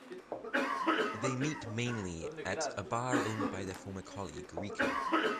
They meet mainly at a bar owned by their former colleague Rico.